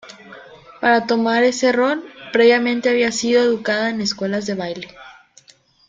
Para tomar ese rol, previamente había sido educada en escuelas de baile.